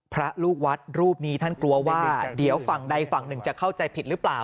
พระลูกวัดรูปนี้ท่านกลัวว่าเดี๋ยวฝั่งใดฝั่งหนึ่งจะเข้าใจผิดหรือเปล่า